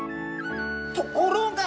ところが！